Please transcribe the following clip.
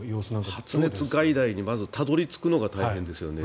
発熱外来にまずたどり着くのが大変ですよね。